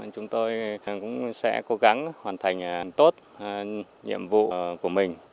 chúng tôi cũng sẽ cố gắng hoàn thành tốt nhiệm vụ của mình